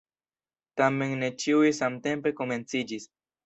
Tamen ne ĉiuj samtempe komenciĝis!